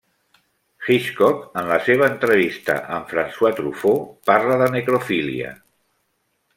Hitchcock en la seva entrevista amb François Truffaut parla de necrofília.